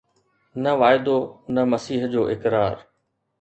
نه واعدو، نه مسيح جو اقرار